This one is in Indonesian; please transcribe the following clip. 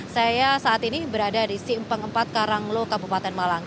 saya saat ini berada di simpang empat karanglo kabupaten malang